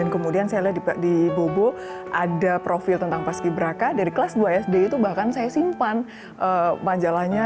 kemudian saya lihat di bobo ada profil tentang paski beraka dari kelas dua sd itu bahkan saya simpan majalahnya